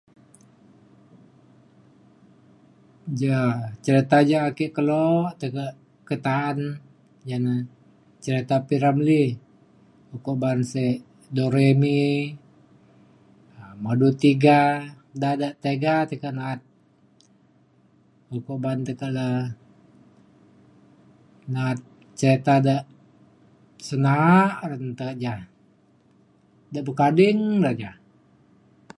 ja cereta ja ake kelo tekak ke ta'an ja na cereta P. Ramlee ukok ban sek Doremi um Madu Tiga da da tiga tekak na'at ukok ban tekak le na'at cereta de sena'a en te ja. ja pekading dau ja